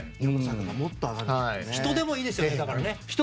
人でもいいですよね。